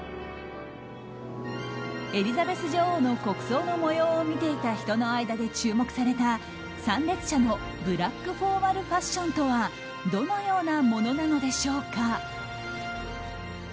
エリザベス女王の国葬の模様を見ていた人の間で注目された参列者のブラックフォーマルファッションとはどのようなものなのでしょうか。